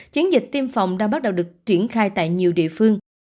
chiến dịch tiêm phòng đã bắt đầu được triển khai tại nhiều địa phương